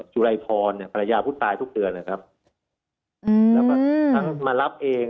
สุรายพรเนี่ยภรรยาผู้ตายทุกเดือนนะครับแล้วก็ทั้งมารับเอง